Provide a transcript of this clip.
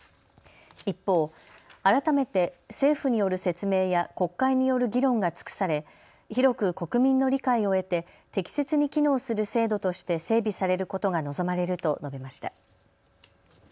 一方、改めて政府による説明や国会による議論が尽くされ広く国民の理解を得て適切に機能する制度として整備されることが望まれると述べました。